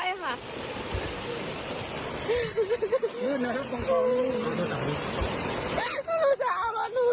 พี่โจ้จะเอามาดูฉันใหม่อย่างไร